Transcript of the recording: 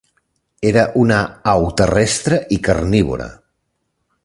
Era una au terrestre i carnívora.